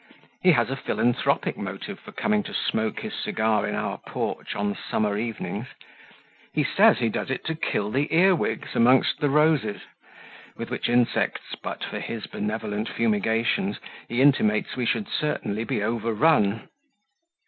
He has a philanthropic motive for coming to smoke his cigar in our porch on summer evenings; he says he does it to kill the earwigs amongst the roses, with which insects, but for his benevolent fumigations, he intimates we should certainly be overrun.